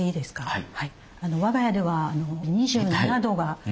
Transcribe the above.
はい。